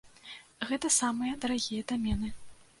Гэта самыя дарагія дамены.